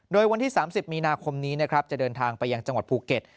โดยวันที่๓๐มีนาคมนี้นะครับจะเดินทางไปยังจังหวัดภูเก็ต